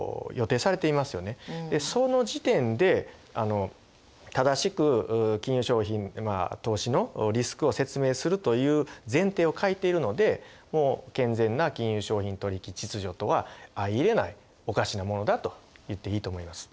その時点で正しく金融商品まあ投資のリスクを説明するという前提を欠いているのでもう健全な金融商品取引秩序とは相いれないおかしなものだと言っていいと思います。